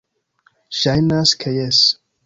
Ŝajnas, ke jes.